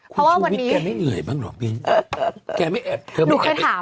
คุณชูวิดแกไม่เหนื่อยบ้างหรอกิ้ง